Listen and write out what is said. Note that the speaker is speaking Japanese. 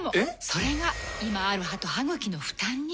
それが今ある歯と歯ぐきの負担に。